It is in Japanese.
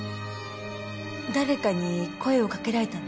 誰かに声をかけられたの？